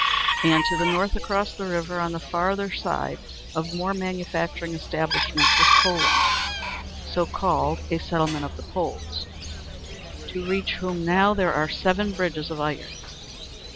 And to the north, across the river, on the further side of more manufacturing establishments, was Poland, so called a settlement of the Poles to reach whom now there are seven bridges of iron.